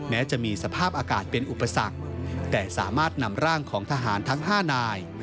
แม้จะมีสภาพอากาศเป็นอุปสรรคแต่สามารถนำร่างของทหารทั้ง๕นาย